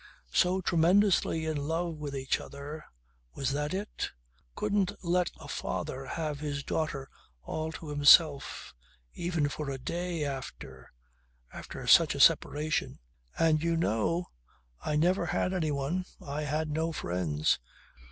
"So tremendously in love with each other was that it? Couldn't let a father have his daughter all to himself even for a day after after such a separation. And you know I never had anyone, I had no friends.